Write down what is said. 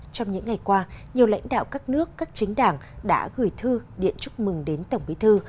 trong những ngày qua nhiều lãnh đạo các nước các chính đảng đã gửi thư điện chúc mừng đến tổng bí thư